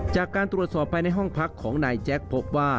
จากการตรวจสอบภายในห้องพักของนายแจ็คพบว่า